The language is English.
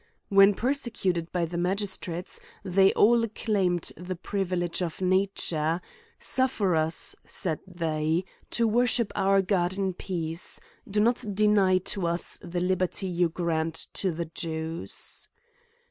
When persecuted by the magistrates, they all claimed the privilege of nature ;*' suffer us, said they, to worship our God in peace ; do not deny to us, the liberty you grant to the Jews."